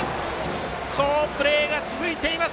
好プレーが続いています